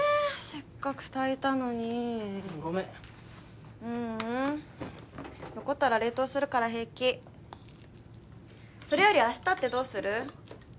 せっかく炊いたのにごめんううん残ったら冷凍するから平気それより明日ってどうする？